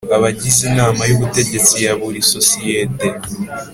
Abagize Inama y Ubutegetsi ya buri sosiyete